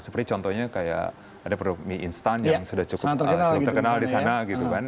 seperti contohnya kayak ada produk mie instan yang sudah cukup terkenal di sana gitu kan